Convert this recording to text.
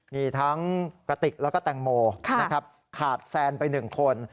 มีทั้งกระติกแล้วก็แตงโมนะครับขาดแซนไป๑คน